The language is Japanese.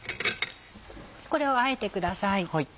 これをあえてください。